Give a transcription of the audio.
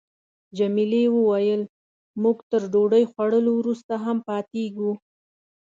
جميلې وويل: موږ تر ډوډۍ خوړلو وروسته هم پاتېږو.